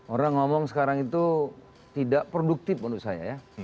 orang ngomong sekarang itu tidak produktif menurut saya ya